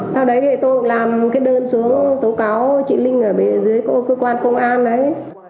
sau đấy thì tôi làm một cái đơn xuống tố cáo chị linh ở dưới cơ quan công an đấy